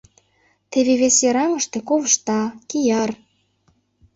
Теве вес йыраҥыште ковышта, кияр.